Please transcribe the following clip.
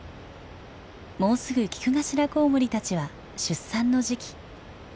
もうすぐキクガシラコウモリたちは出産の時期。